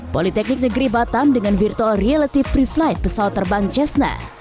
politeknik negeri batam dengan virtual reality pre flight pesawat terbang cessna